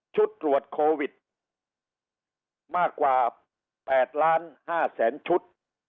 ชุดตรวจโควิดมากกว่าแปดล้านห้าแสนชุด